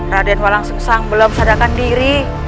raden walang susang belum sadarkan diri